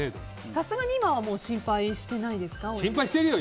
さすがに今は心配してないですか。